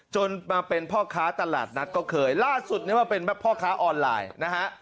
จนมาเป็นพ่อค้าตลาดนัดก็เคยล่าสุดนี้มาเป็นพ่อค้าออนไลน์นะฮะ